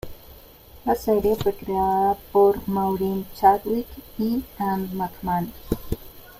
La serie fue creada pro Maureen Chadwick y Ann McManus.